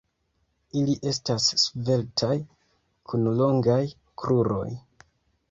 Ili estas sveltaj, kun longaj kruroj.